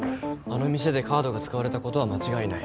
あの店でカードが使われたことは間違いない